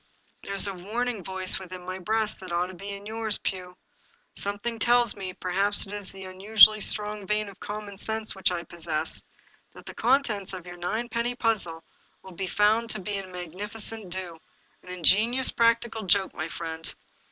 " There's a warning voice within my breast that ought to be in yours, Pugh ! Something tells me, perhaps it is the unusually strong vein of common sense which I pos sess, that the contents of your ninepenny puzzle will be found to be a magnificent do — ^an ingenious practical joke, my friend."